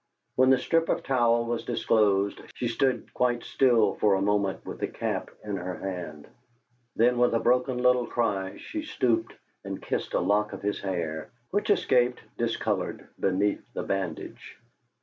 When the strip of towel was disclosed she stood quite still for a moment with the cap in her hand; then with a broken little cry she stooped and kissed a lock of his hair, which escaped, discolored, beneath the bandage.